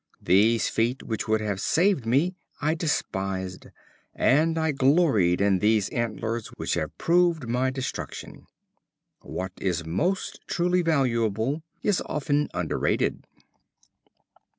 These feet which would have saved me I despised, and I gloried in these antlers which have proved my destruction." What is most truly valuable is often underrated.